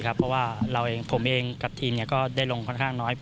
เพราะว่าเราเองผมเองกับทีมก็ได้ลงค่อนข้างน้อย